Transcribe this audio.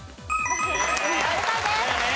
正解です。